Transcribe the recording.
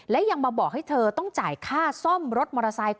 และยังมาบอกให้เธอต้องจ่ายค่าซ่อมรถมอเตอร์ไซค์